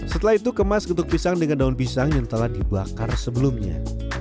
setelah itu kemas untuk pisang dengan daun pisang yang telah dibakar sebelumnya